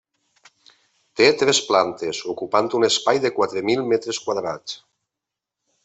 Té tres plantes, ocupant un espai de quatre mil metres quadrats.